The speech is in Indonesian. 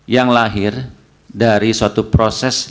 yang lahir dari suatu proses